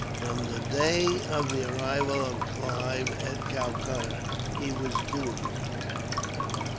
From the day of the arrival of Clive at Calcutta, he was doomed.